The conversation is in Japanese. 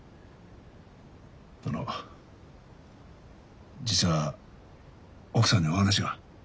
あの実は奥さんにお話が。